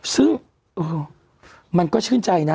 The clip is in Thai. ซึ่งมันก็ชื่นใจนะ